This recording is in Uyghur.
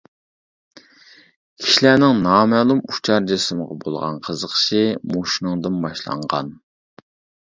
كىشىلەرنىڭ نامەلۇم ئۇچار جىسىمغا بولغان قىزىقىشى مۇشۇنىڭدىن باشلانغان.